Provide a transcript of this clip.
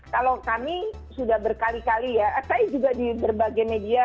kalau kami sudah berkali kali ya saya juga di berbagai media